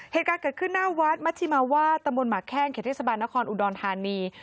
เหตุการณ์เกิดขึ้นหน้าวัดมัชิมาวาดตำบลหมากแข้งเขตเทศบาลนครอุดรธานี